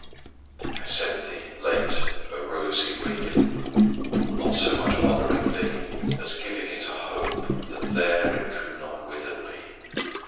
I sent thee, late, a rosy wreath, Not so much honouring thee, As giving it a hope, that there It could not withered be.